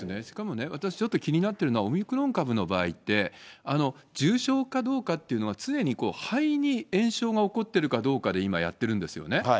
しかもね、私ちょっと気になっているのはね、オミクロン株というのは、重症かどうかっていうのは、常に肺に炎症が起こってるかどうかで今やってるんですよね。